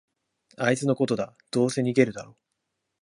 あいつのことだ、どうせ逃げるだろ